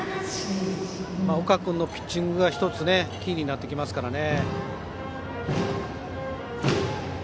岡君のピッチングがキーになってきますからね。